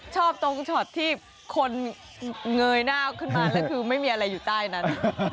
ตรงช็อตที่คนเงยหน้าขึ้นมาแล้วคือไม่มีอะไรอยู่ใต้นั้น